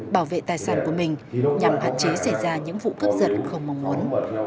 bảo vệ tài sản của mình nhằm hạn chế xảy ra những vụ cướp giật không mong muốn